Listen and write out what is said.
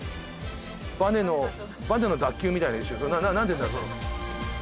バネのバネの脱臼みたいな一瞬なんていうんだろう？